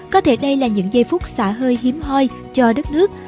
có thể đây là những giây phút xả hơi hiếm hoi cho đất nước